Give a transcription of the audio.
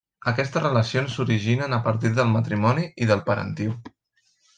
Aquestes relacions s'originen a partir del matrimoni i del parentiu.